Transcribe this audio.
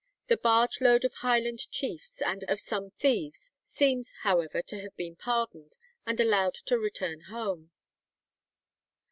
The barge load of Highland chiefs, and of some thieves, seems, however, to have been pardoned, and allowed to return home.